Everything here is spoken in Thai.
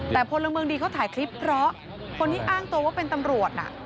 แต่พลเมืองดีเขาถ่ายคลิปเพราะคนที่อ้างตัวว่าเป็นตำรวจน่ะ